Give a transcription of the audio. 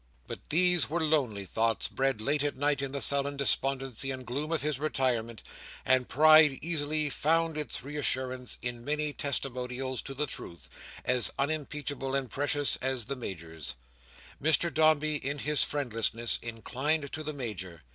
But these were lonely thoughts, bred late at night in the sullen despondency and gloom of his retirement, and pride easily found its reassurance in many testimonies to the truth, as unimpeachable and precious as the Major's. Mr Dombey, in his friendlessness, inclined to the Major.